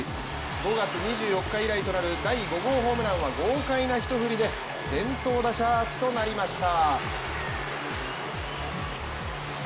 ５月２４日以来となる第５号ホームランは豪快な１振りで先頭打者アーチとなりました。